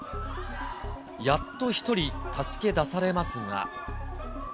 やっと１人、助け出されますが。